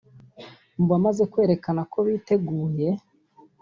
Mu bamaze kwerekana ko biteguye